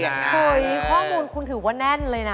ข้อมูลคุณถือว่าน่ารักเลยนะ